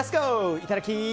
いただき！